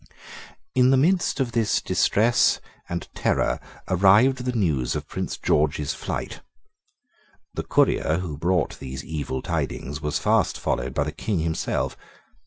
In the midst of this distress and tenor arrived the news of Prince George's flight. The courier who brought these evil tidings was fast followed by the King himself.